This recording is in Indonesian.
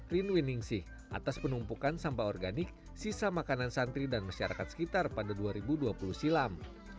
rin winningsih atas penumpukan sampah organik sisa makanan santri dan masyarakat sekitar pada dua ribu dua puluh silam